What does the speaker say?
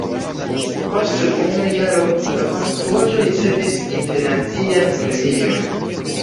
Post unu jaro la konstruaĵo ricevis internacian premion.